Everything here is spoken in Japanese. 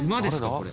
これ。